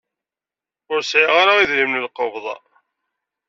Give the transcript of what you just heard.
Ur sɛiɣ ara idrimen n lqebḍ.